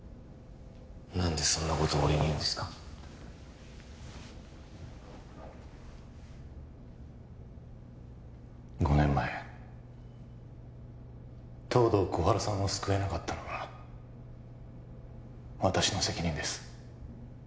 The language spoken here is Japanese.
何でそんなことを俺に言うんですか５年前東堂心春さんを救えなかったのは私の責任です